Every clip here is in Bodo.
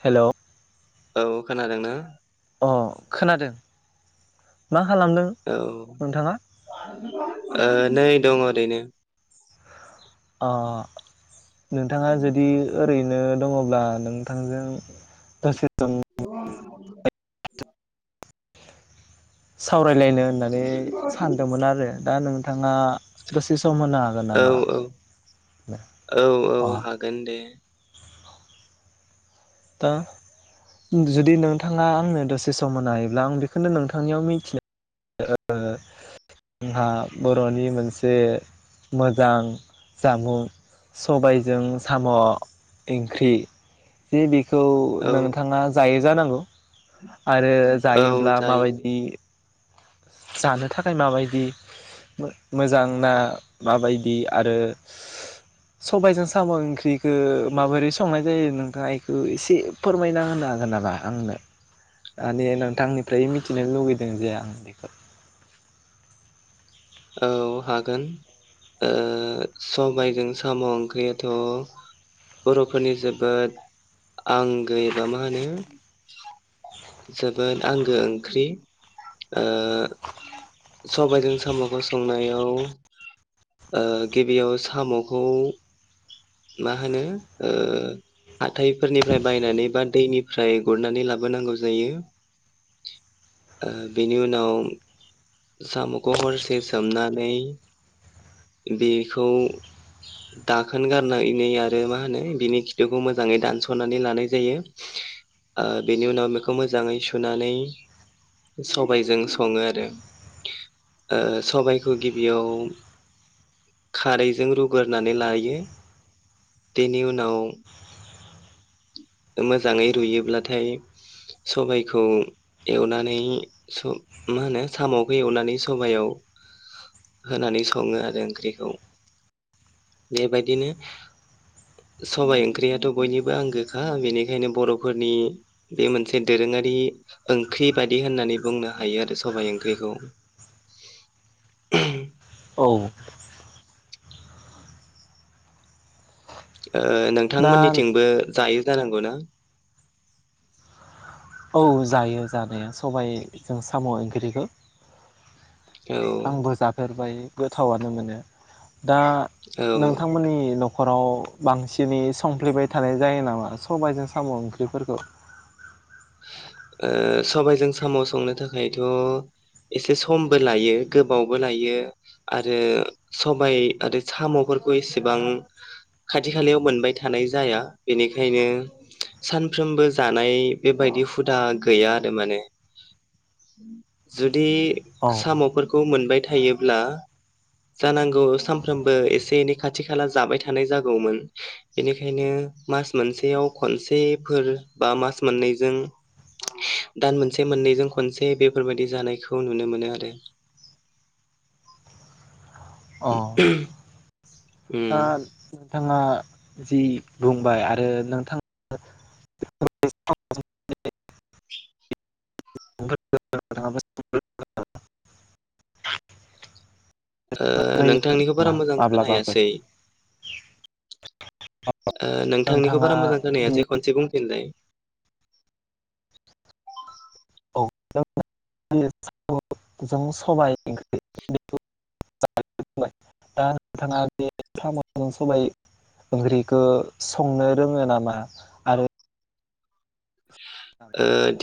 हेल' औ खोनादों ना? अ खोनादों मा खालामदों औ नोंथाङा ओ नै दङ ओरैनो अ नोंथाङा जुदि ओरै नो दङब्ला नोंथांजों दसे सम [inaudible] उ [inaudible] सावराय लायनो होननानै सानदोंमोन आरो दा नोंथाङा दसे सम होनो हागोन औ नामा औ औ अ औ हागोन दे। दा जुदि नोंथाङा आंनो दसे सम मोनो हायोब्ला आं बेखौनो नोंथांनियाव मिथिनानै जोंहा बर'नि मोनसे मोजां जामुं सबायजों साम' ओंख्रि बे खौ औ नोंथाङा जायो जानांगौ आरो औ जायोब्ला जायो माबायदि जानो थाखाय माबायदि मो-मोजां ना माबायदि आरो सबाइजों साम' ओंख्रिखो माबोरै संनाय जायो नोंथाङा इखो एसे फोरमायना होनो हागोन नामा आंनो मानि नोंथांनिफ्राय मिथिनो लुगैदों जे आं बे [inaudible] औ हागोन ओ सबाइजों साम' ओंख्रियाथ' बर'फोरनि जोबोद आंगो एबा मा होनो जोबोद आंगो ओंख्रि ओ सबायजों साम'खौ संनायाव ओ गिबियाव साम'खौ मा होनो ओ हाथायफोरनिफ्राय बायनानै बा दैनिफ्राय गुरनानै लाबोनांगौ जायो ओ बिनि उनाव साम'खौ हरसे सोमनानै बेखौ दाखोन गारनानै मा होनो बिनि खिथुखौ मोजाङै दानसनानै लानाय जायो ओ बिनि उनाव बेखौ खौ मोजाङै सुनानै सबायजों सङो आरो ओ सबाइखौ गिबियाव खारैजों रुग्रोनानै लायो बेनि उनाव मोजाङै रुयोब्लाथाय सबाइखौ एवनानै मा होनो सामखौ एवनानै सबयाव होनानै सङो आरो ओंख्रिखौ। बेबायदिनो सबाइ ओंख्रियाथ बयनिबो आंगोखा बेनिखायनो बरफोरनि बे मोनसे दोरोङारि ओंख्रि बायदि होननानै बुंनो हायो आरो सबाइ ओंख्रिखौ औ [unintelligible] ओ दा नोंथांमोननिथिंबो जायो जानां गौना औ जायो जानाया सबाइ जों साम' ओंख्रिखौ औ आंबो जाफेरबाय गोथावानो मोनो दा औ नोंथांमोननि न' न'खराव बांसिनै संफ्लेबाय थानाय जायो नामा सबायजों साम ओंख्रिफोरखौ ओ सबायजों साम' संनो थाखायथ' एसे समबो लायो गोबावबो लायो आरो सबाय आरो सामफोरखौ एसेबां खाथि खालायाव मोनबाय थानाय जाया बेनिखायनो सानफ्रोमबो जानाय बेबायदि हुदा गैया आरो माने जु बिदि औ सामफोरखौ मोनबाय थायोब्ला जानांगौ सानफ्रोमबो एसे एनै खाथि खाला जाबाय थानाय जागौमोन बेनिखायनो मास मोनसेयाव खनसेफोर बा मास मोननैजों दान मोनसे मोननैजों खनसे बेफोरबायाददि जानायखौ नुनो मोनो आरो अ दा ओम नोंथाङा जि बुंबाय आरो नोंथाङा अ ओ ओ नोंथांनिखौ बारा मोजां माब्लाबाफोर खोनासै ओ नोंथांनिखौ नोंथाङा बारा मोजां बे खोनासै खनसे बुंफिनलाय सजों सबाय ओंख्रि दा नोंथाङा बे सामजों सबाय ओंख्रिखौ संनो रोङो नामा आरो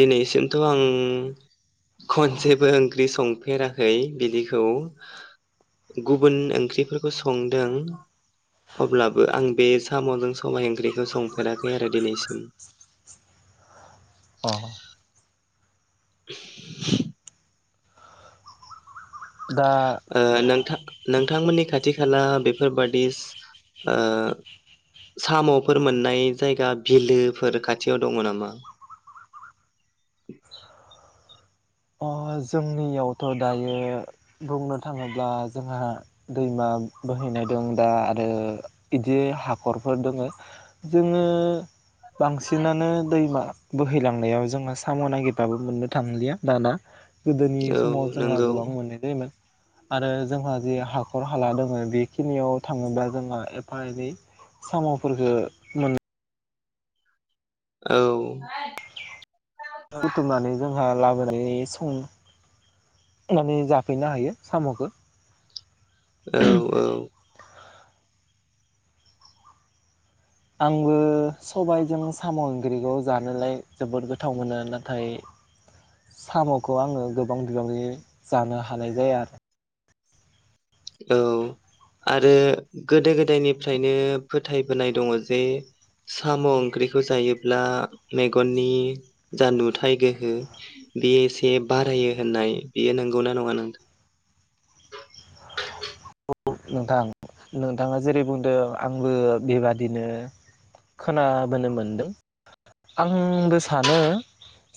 दिनैसिमथ आं खनसेबो ओंख्रि संफेराखै बिदिखौ गुबुन ओंख्रिफोरखौ संदों अब्लाबो आं बे सामजों सबाय ओंख्रिखौ संफेराखै आरो दिनैसिम अ [unintelligible] दा ओ नोंथां नोंथांमोननि खाथि खाला बेफोरबादि ओ सामफोर मोननाय जायगा बिलोफोर खाथियाव दङ नामा औ अ जोंनियावथ दायो बुंनो थाङोब्ला जोंहा दैमा बोहैनाय दं दा आरो बिदि हाखरफोर दङ जोङो बांसिनानो दैमा बोहैलांनायाव जोङो साम नागिरबाबो मोननो थांलिया दाना गोदोनि औ समाव जोंहा नंगौ गोबां मोननाय जायोमोन आरो जोंहा जे हाखर हाला दङ बेखिनियाव थाङोब्ला जोंहा एफा एनै सामफोरखो मोनो औ बुथुमनानै जोंहा लाबो ओ फुं संनानै जाफैनो हायो सामखौ औ औ आंबो सबायजों साम ओंख्रिखौ जानोलाय जोबोद गोथाव मोनो नाथाय सामखौ आङो गोबां बिबांनि जानो हानाय जाया आरो औ आरो गोदो गोदायनिफ्रायनो फोथायबोनाय दङ जे साम ओंख्रिखौ जायोब्ला मेगननि जा नुथाय गोहो बे एसे बारायो होननाय बेयो नंगौना नङा नोंथां नंगौ नोंथां नोंथाङा जेरै बुंदों आंबो बेबादिनो खोनाबोनो मोनदों आंबो सानो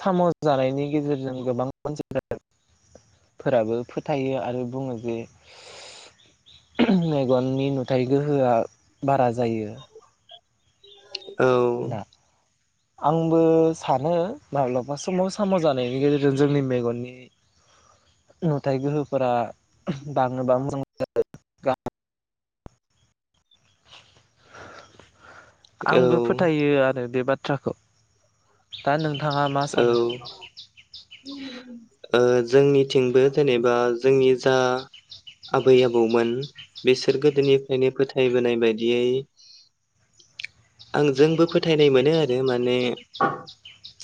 साम जानायनि गेजेरजों गोबां अनसायफोराबो फोथायो आरो बुङो जे मेगननि नुथायाइ गोहोआ बारा जायो ना औ आंबो सानो माब्लाबा समाव साम' जानायनि गेजेरजों जोंनि मेगननि नुथाय गोहोफोरा बाङोबा आंबो औ फोथायो आरो बे बाथ थ्राखौ दा नों थाङा मा औ सानो? ओह जोंनिथिंबो जेनेबा जोंनि जा आबै आबौमोन बिसोर गोदोनिफ्रायनो फोथायबोनाय बायदियै आं जोंबो फोथायनाय मोनो आरो माने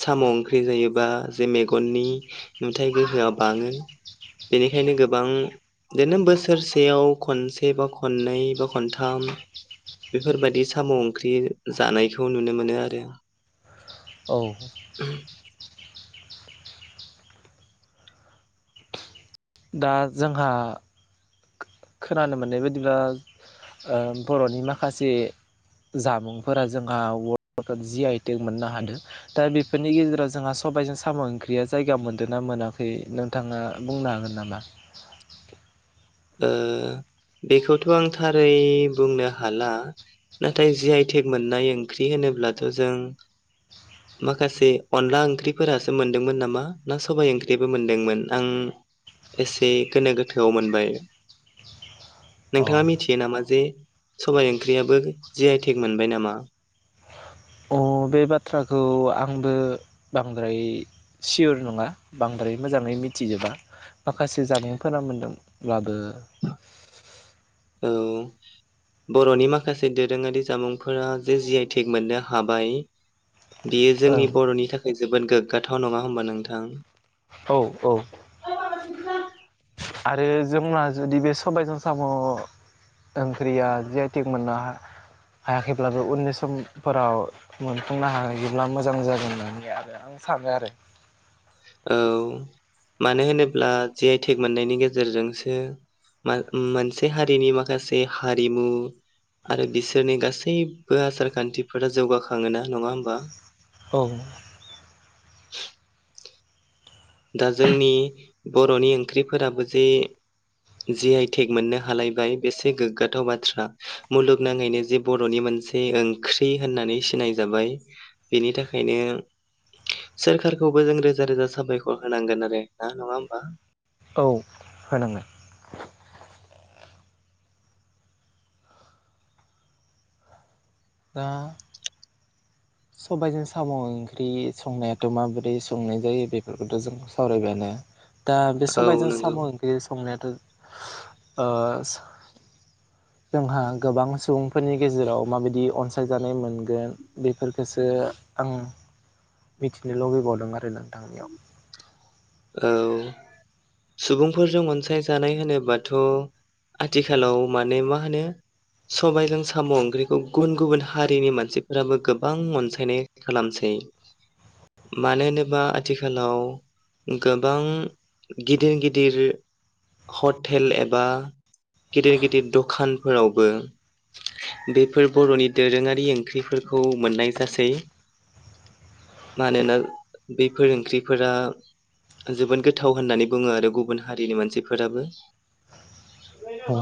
साम' ओंख्रि जायोबा जे मेगननि नुथाइ गोहोआ बाङो बेनिखायनो गोबां इदिनो बोसोरसेयाव खनसे बा खननै बा खनथाम बेफोरबायदि साम' ओंख्रि जानायखौ नुनो मोनो आरो। औ दा जोंहा खो-खोनानो मोननाय बायदिब्ला ओह बर'नि माखासे जामुंफोरा जोंहा [inaudible] जि आइ टेक मोननो हादों दा बेफोरनि गेजेराव जोंहा सबायजों साम' ओंख्रिया जायगा मोनदों ना मोनाखै नोंथाङा बुंनो हागोन नामा? ओह बेखौथ' आं थारै बुंनो हाला नाथाय जि आइ टेक मोननाय ओंख्रि होनोब्लाथ' जों माखासे अनला ओंख्रिफोरासो मोनदोंमोन नामा ना सबाय ओंख्रिबो मोनदोंमोन आं एसे गोनो गोथोआव मोनबाय। अ नोंथाङा मिथियो नामा जे सबाय ओंख्रियाबो जि आइ टेक मोनबाय नामा? अह बे बाथ्राखौ आंबो बांद्राय सियर नङा । बांद्राय मोजाङै मिथिजोबा माखासे जामुंफोरा मोनदोंब्लाबो औ बर'नि माखासे दोरोङारि जामुंफोरा जे जि आइ टेक मोननो हाबाय बियो ओं जोंनि बर'नि थाखाय जोबोद गोग्गाथाव नङा होमबा नोंथां? औ औ। ना आरो जोंना जुदि बे सबायजों साम' ओंख्रिया जि आइ टेग मोननो हा-हायाखैब्लाबो उननि समफोराव मोनफुंनो हायोब्ला मोजां जागोन होननानै आरो आं सानो आरो औ मानो होनोब्ला जि आइ टेग मोननायनि गेजेरजोंसो मा मोनसे हारिनि माखासे हारिमु आरो बिसोरनि गासैबो आसार खान्थिफोरा जौगाखाङो ना नङा होमबा? औ नंगौ। [inaudible] दा जोंनि बर'नि ओंख्रिफोराबो जे जि आइ टेग मोननो हालायबाय बेसे गोग्गाथाव बाथ्रा मुलुगनाङैनो जि बर'नि मोनसे ओंख्रि होननानै सिनायजाबाय बेनि थाखायनो सोरखारखौबो जों रोजा रोजा साबाय खर होनांगोन आरो दा नङा होमबा? औ होनांगोन। सबाइजों साम' ओंख्रि संनायाथ' माबोरै संनाय जायो बेफोरखौथ' जों सावरायबायानो। दा बे औ सबायजों नंगौ साम' ओंख्रि संनायाथ' ओस जोंहा गोबां सुबुंफोरनि गेजेराव माबायदि अनसायजानाय मोनगोन बेफोरखोसो आं मिथिनो लुगैबावदों नाथाय नोंथांनियाव। औ सुबुंफोरजों अनसायजानाय होनोबाथ' आथिखालाव माने मा होनो सबायजों साम' ओंख्रिखौ गुबुन गुबुन हारिनि मानसिफोराबो गोबां अनसायनाय खालामसै। मानो होनोबा आथिखालाव गोबां गिदिर गिदिर हटेल एबा गिदिर गिदिर दखानफोरावबो बेफोर बर'नि दोरोङारि ओंख्रिफोरखौ मोननाय जासै मानोना बेफोर ओंख्रिफोरा जोबोद गोथाव होननानै बुङो आरो गुबुन हारिनि मानसिफोराबो। औ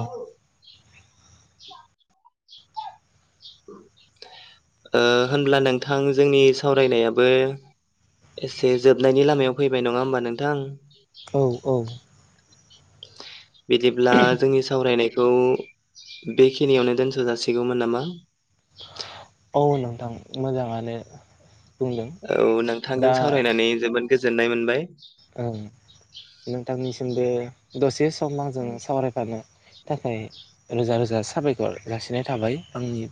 ओह होनब्ला नोंथां जोंनि सावरायनायाबो एसे जोबनायनि लामायाव फैबाय नङा होमबा नोंथां? औ औ बिदिब्ला जोंनि सावरायनायखौ बेखिनियावनो दोनथ' जासिगौमोन नामा? औ नोंथां मोजाङानो बुंदों औ नों थांजों दा सावरायनानै जोबोद गोजोननाय मोनबाय। नोंथांनिसि मबो दसे सम आजों सावरायफानो थाखाय रोजा रोजा साबायखर जासिनाय थाबाय। आंनि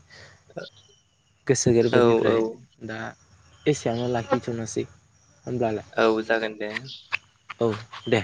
गोसो औ गोरबोनिफ्राय औ दा एसेयावनो लाखिथ'नोसै। होमब्लालाय औ जागोन दे। औ दे।